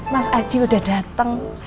mas aji udah dateng